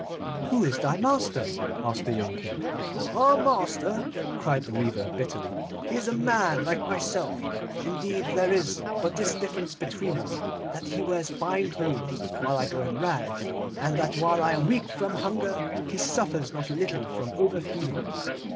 'Who is thy master?' asked the young King. 'Our master!' cried the weaver, bitterly. 'He is a man like myself. Indeed, there is but this difference between us—that he wears fine clothes while I go in rags, and that while I am weak from hunger he suffers not a little from overfeeding.